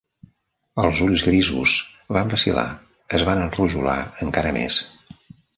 Els ulls grisos van vacil·lar, es va enrojolar encara més.